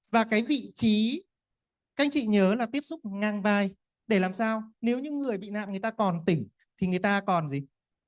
và cái vị trí các anh chị nhớ là tiếp xúc ngang vai để làm sao nếu những người bị nạn người ta còn tỉnh thì người ta còn gì